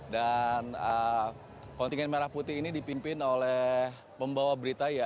dan kontingen merah putih ini dipimpin oleh pembawa berita